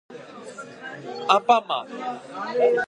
あんぱんまん